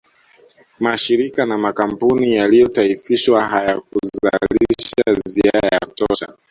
Mashirika na makampuni yaliyotaifishwa hayakuzalisha ziada ya kutosha